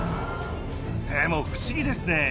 でも不思議ですね。